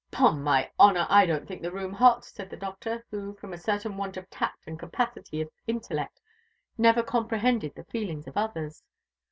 "'Pon my honour! I don't think the room hot," said the Doctor, who, from a certain want of tact and capacity of intellect, never comprehended the feelings of others.